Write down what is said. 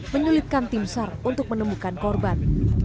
menyulitkan tim sar untuk menemukan korban